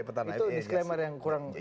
itu disclaimer yang kurang